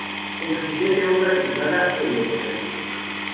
En su siguiente obra, titulada "Euro Pesadilla.